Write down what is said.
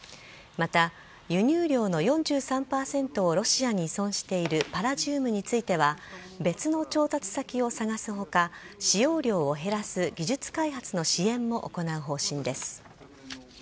また、輸入量の４３％をロシアに依存しているパラジウムについては別の調達先を探す他使用量を減らす技術開発の支援も行う方針です。